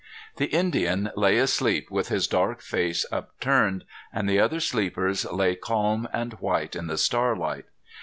The Indian lay asleep with his dark face upturned, and the other sleepers lay calm and white in the starlight.